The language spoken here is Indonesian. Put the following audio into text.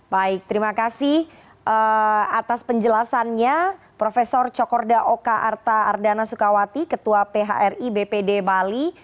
baik terima kasih atas penjelasannya profesor cokorda oka arta ardana sukawati ketua phri bpd bali